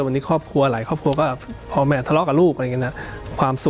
วันนี้ครอบครัวหลายครอบครัวก็พ่อแม่ทะเลาะกับลูกอะไรอย่างนี้นะ